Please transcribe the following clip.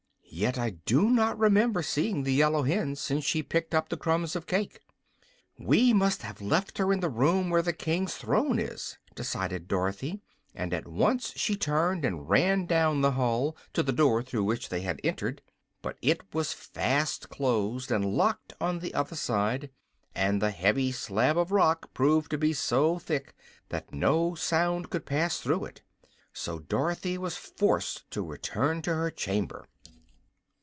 "Yet I do not remember seeing the yellow hen since she picked up the crumbs of cake." "We must have left her in the room where the King's throne is," decided Dorothy, and at once she turned and ran down the hall to the door through which they had entered. But it was fast closed and locked on the other side, and the heavy slab of rock proved to be so thick that no sound could pass through it. So Dorothy was forced to return to her chamber.